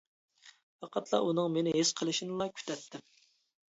پەقەتلا ئۇنىڭ مېنى ھېس قىلىشىنىلا كۈتەتتىم.